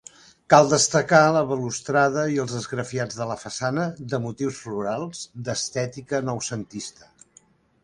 Cal destacar la balustrada i els esgrafiats de la façana, de motius florals, d'estètica noucentista.